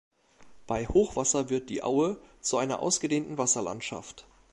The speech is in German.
Bei Hochwasser wird die Aue zu einer ausgedehnten Wasserlandschaft.